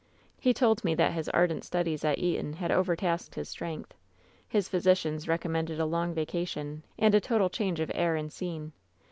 He told me that his ardent studies at Eton had overtasked his strength. His physi cians recommended a long vacation, and a total change of air and scene.